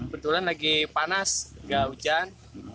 kemudian waktu lubang ini sudah panas tidak hujan